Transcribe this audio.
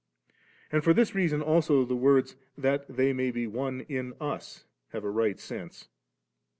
And for this reason also the words, *that they may be one in Us,' have a right sense.